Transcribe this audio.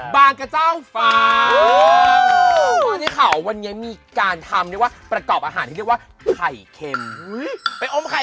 กระเจ้าฟ้าที่เขาวันนี้มีการทำเรียกว่าประกอบอาหารที่เรียกว่าไข่เค็มไปอมไข่